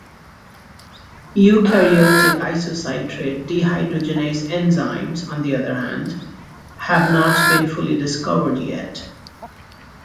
Eukaryotic isocitrate dehydrogenase enzymes on the other hand, have not been fully discovered yet.